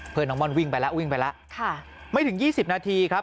น้องม่อนวิ่งไปแล้ววิ่งไปแล้วค่ะไม่ถึง๒๐นาทีครับ